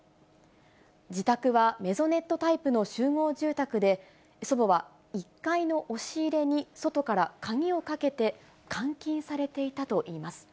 自宅はメゾネットタイプの集合住宅で、祖母は１階の押し入れに外から鍵をかけて監禁されていたといいます。